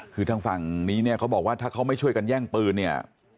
คือทางฝั่งนี้เนี่ยเขาบอกว่าถ้าเขาไม่ช่วยกันแย่งปืนเนี่ย